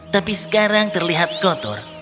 tapi sekarang terlihat kotor